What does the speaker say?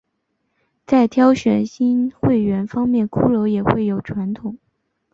在挑选新会员方面骷髅会也有传统。